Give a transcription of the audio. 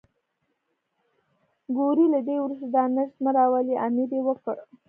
ګورئ له دې وروسته دا نجس مه راولئ، امر یې وکړ.